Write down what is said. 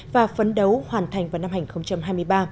và phấn đấu hoàn thành vào năm hai nghìn hai mươi ba